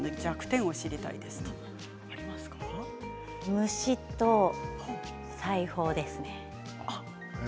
虫と裁縫ですね。